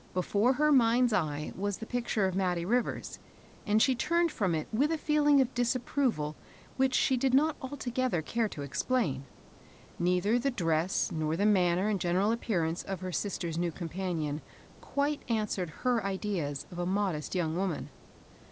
Before her mind's eye was the picture of Mattie Rivers, and she turned from it with a feeling of disapproval which she did not altogether care to explain. Neither the dress, nor the manner and general ap pearance of her sister's new companion quite an swered her ideas of a modest young woman.